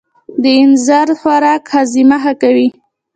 د اینځر خوراک هاضمه ښه کوي.